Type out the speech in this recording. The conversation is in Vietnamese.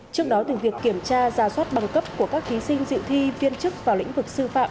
trước đó việc kiểm tra giả soát bằng cấp của các thí sinh dự thi viên chức vào lĩnh vực sư phạm